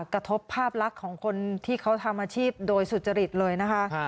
กระทบภาพลักษณ์ของคนที่เขาทำอาชีพโดยสุจริตเลยนะคะ